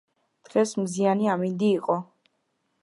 დღეს მზიანი ამინდი იყო